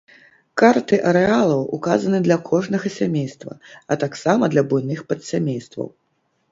Карты арэалаў указаны для кожнага сямейства, а таксама для буйных падсямействаў.